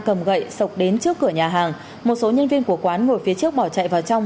cầm gậy sục đến trước cửa nhà hàng một số nhân viên của quán ngồi phía trước bỏ chạy vào trong